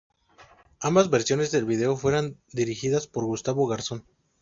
Ambas versiones del video fueron dirigidas por Gustavo Garzón.